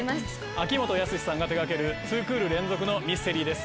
秋元康さんが手掛ける２クール連続のミステリーです。